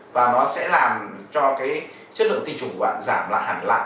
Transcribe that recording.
và nó sẽ làm cho cái chất lượng tinh trùng của bạn giảm là hẳn lạ